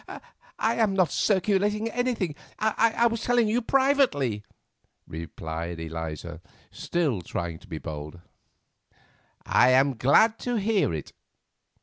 "I am not circulating anything. I was telling you privately;" replied Eliza, still trying to be bold. "I am glad to hear it.